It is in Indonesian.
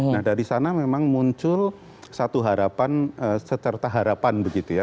nah dari sana memang muncul satu harapan secerta harapan begitu ya